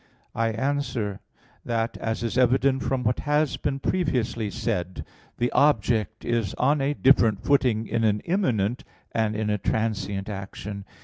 I answer that, As is evident from what has been previously said (Q. 14, A. 2; Q. 54, A. 2), the object is on a different footing in an immanent, and in a transient, action.